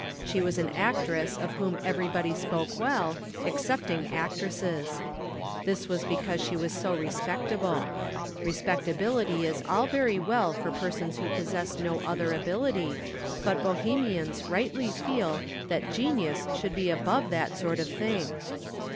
She was an actress of whom everybody spoke well, excepting actresses. This was because she was so respectable. Respectability is all very well for persons who possess no other ability; but bohemians rightly feel that genius should be above that sort of thing.